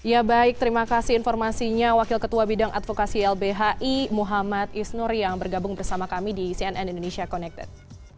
ya baik terima kasih informasinya wakil ketua bidang advokasi lbhi muhammad isnur yang bergabung bersama kami di cnn indonesia connected